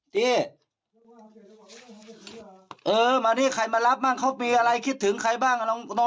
เออมาที่ใครมารับบ้างเขามีอะไรคิดถึงใครบ้าง